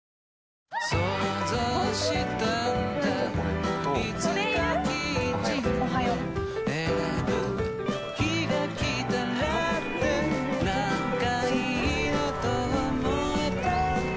なんかいいなと思えたんだ